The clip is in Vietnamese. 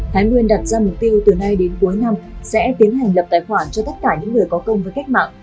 thái nguyên đặt ra mục tiêu từ nay đến cuối năm sẽ tiến hành lập tài khoản cho tất cả những người có công với cách mạng